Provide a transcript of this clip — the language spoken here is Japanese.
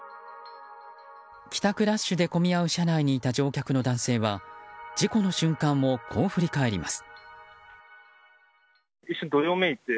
帰宅ラッシュで混み合う車内にいた乗客の男性は事故の瞬間をこう振り返ります。